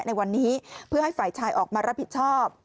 ในวันนี้เพื่อให้ฝ่ายชายออกมารับผิดชอบ